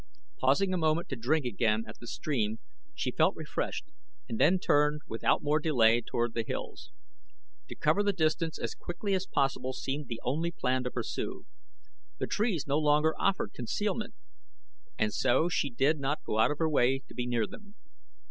Pausing a moment to drink again at the stream she felt refreshed and then turned without more delay toward the hills. To cover the distance as quickly as possible seemed the only plan to pursue. The trees no longer offered concealment and so she did not go out of her way to be near them.